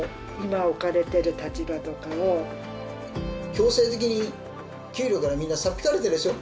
強制的に給料からみんなさっ引かれてるでしょ？